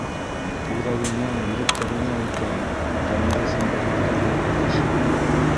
Үҙәгеңә, електәреңә үтә, тәнде зымбырлата был ҡараш.